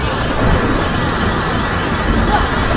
jangan tahu bagaimana banknya